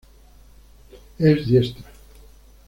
Es diestra.